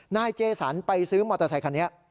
นายเจสันไปซื้อมอเตอร์ไซคันนี้